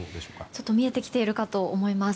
ちょっと見えてきているかと思います。